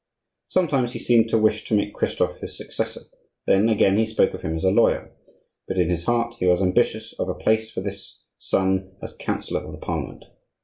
Sometimes he seemed to wish to make Christophe his successor; then again he spoke of him as a lawyer; but in his heart he was ambitious of a place for this son as Councillor of the Parliament.